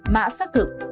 mã xác thực